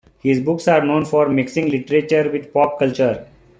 His books are known for mixing literature with pop culture.